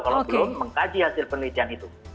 kalau belum mengkaji hasil penelitian itu